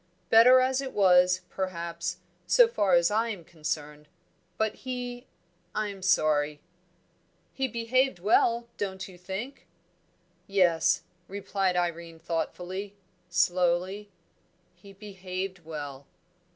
"Better as it was, perhaps, so far as I am concerned. But he I'm sorry " "He behaved well, don't you think?" "Yes," replied Irene thoughtfully, slowly, "he behaved well."